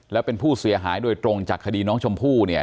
และเป็นผู้เสียหายโดยตรงจากคดีน้องชมพู่เนี่ย